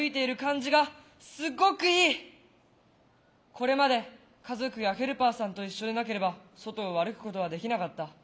これまで家族やヘルパーさんと一緒でなければ外を歩くことができなかった。